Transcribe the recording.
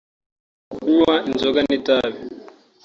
kunywa inzoga n’itabi